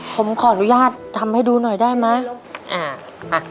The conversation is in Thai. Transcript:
ผมขออนุญาตทำให้ดูหน่อยได้ไหม